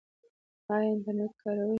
ایا انټرنیټ کاروئ؟